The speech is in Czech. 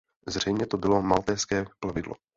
Zřejmě to bylo maltézské plavidlo.